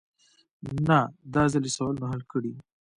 نه داځل يې سوالونه حل کړي.